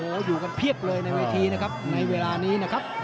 แล้วอยู่กันเพียบเลยในเวทีนะครับในเวลานี้นะครับ